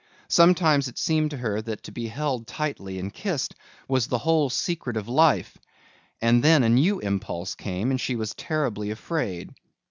Sometimes it seemed to her that to be held tightly and kissed was the whole secret of life, and then a new impulse came and she was terribly afraid.